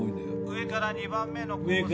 上から２番目？